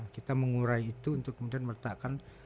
kita mengurai itu untuk kemudian meletakkan